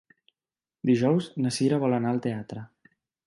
Dijous na Cira vol anar al teatre.